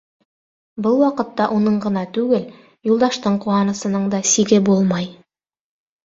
Был ваҡытта уның ғына түгел, Юлдаштың ҡыуанысының да сиге булмай.